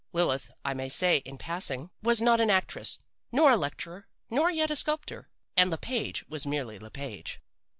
Lilith, I may say in passing, was not an actress, nor a lecturer, nor yet a sculptor and Le Page was merely Le Page.